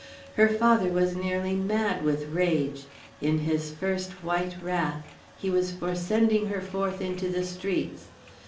Her father was nearly mad with rage; in his first white wrath, he was for sending her forth into the streets.